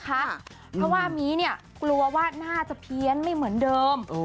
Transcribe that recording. เพราะว่ามีเนี่ยกลัวว่าน่าจะเพี้ยนไม่เหมือนเดิม